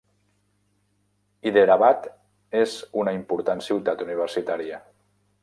Hyderābād és una important ciutat universitària.